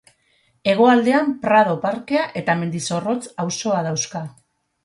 Hegoaldean Prado parkea eta Mendizorrotz auzoa dauzka.